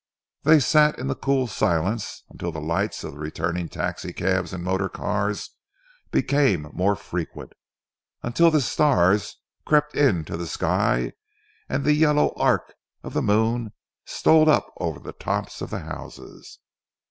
They sat in the cool silence until the lights of the returning taxicabs and motor cars became more frequent, until the stars crept into the sky and the yellow arc of the moon stole up over the tops of the houses.